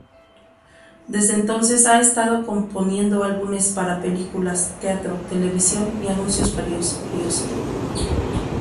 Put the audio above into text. Desde entonces ha estado componiendo álbumes para, películas, teatro, televisión y anuncios publicitarios.